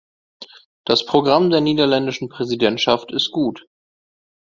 Das Programm der niederländischen Präsidentschaft ist gut.